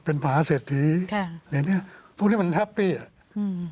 เป็นผาเศรษฐีค่ะอย่างเนี้ยพวกนี้มันแฮปปี้อ่ะอืม